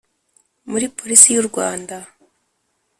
Muri polisi y u rwanda